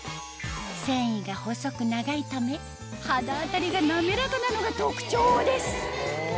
繊維が細く長いため肌当たりが滑らかなのが特徴です